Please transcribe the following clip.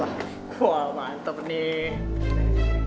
wah mantep nih